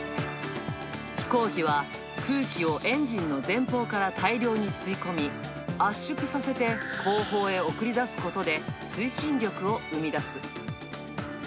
飛行機は、空気をエンジンの前方から大量に吸い込み、圧縮させて、後方へ送り出すことで、推進力を生みだす。